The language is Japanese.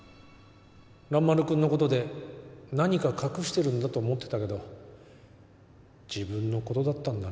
蘭丸君のことで何か隠してるんだと思ってたけど自分のことだったんだね。